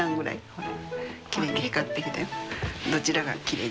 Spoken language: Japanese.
ほら。